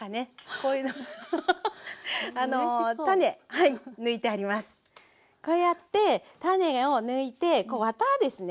こうやって種を抜いてワタですね。